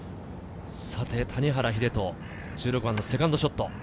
谷原秀人、１６番のセカンドショット。